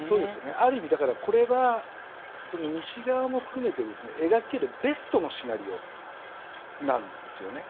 ある意味これは西側も含めて描けるベストのシナリオなんですよね。